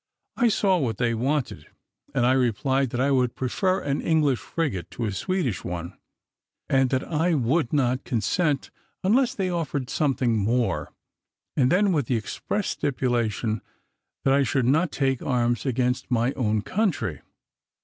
I saw what they wanted, and I replied that I would prefer an English frigate to a Swedish one, and that I would not consent unless they offered something more; and then, with the express stipulation that I should not take arms against my own country.